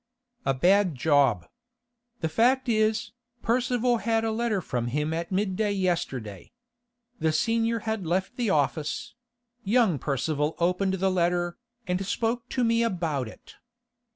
'A bad job. The fact is, Percival had a letter from him at midday yesterday. The senior had left the office; young Percival opened the letter, and spoke to me about it.